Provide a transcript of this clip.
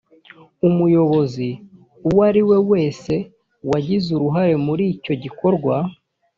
umuyobozi uwo ari we wese wagize uruhare muri icyo gikorwa